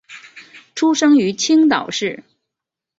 出生于青岛市。